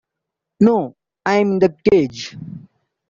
No I'm in the Cage.